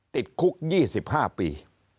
ติดคุก๒๕ปี